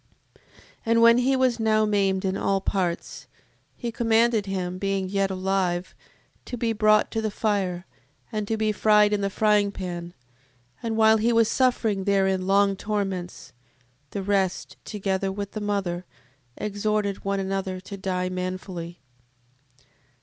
7:6. And when he was now maimed in all parts, he commanded him, being yet alive, to be brought to the fire, and to be fried in the fryingpan: and while he was suffering therein long torments, the rest, together with the mother, exhorted one another to die manfully, 7:6.